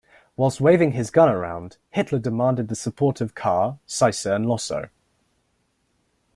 While waving his gun around, Hitler demanded the support of Kahr, Seisser and Lossow.